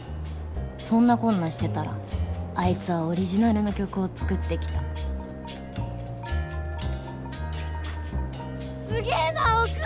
そんなこんなしてたらアイツはオリジナルの曲を作ってきたすげな大倉！